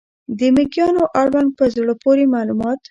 د مېږیانو اړوند په زړه پورې معلومات